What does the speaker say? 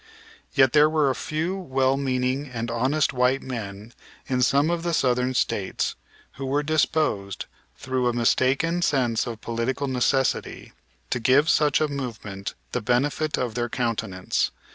Yet there were a few well meaning and honest white men in some of the Southern States who were disposed, through a mistaken sense of political necessity, to give such a movement the benefit of their countenance.